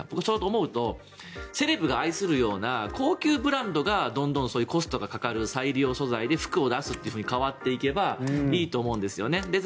そう思うとセレブが愛するような高級ブランドがどんどんコストがかかる再利用素材で服を出すと変わっていけばいいと思うんですよね。